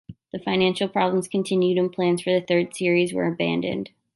The financial problems continued and plans for a third series were abandoned.